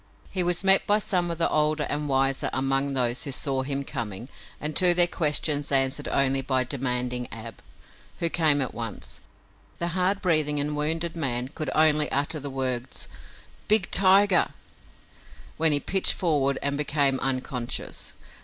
He was met by some of the older and wiser among those who saw him coming and to their questions answered only by demanding Ab, who came at once. The hard breathing and wounded man could only utter the words "Big tiger," when he pitched forward and became unconscious.